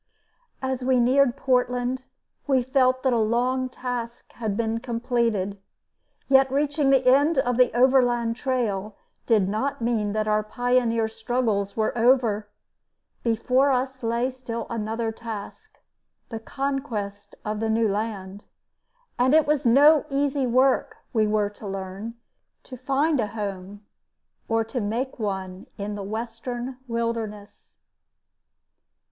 As we neared Portland we felt that a long task had been completed. Yet reaching the end of the Overland Trail did not mean that our pioneer struggles were over. Before us lay still another task the conquest of the new land. And it was no easy work, we were to learn, to find a home or make one in the western wilderness.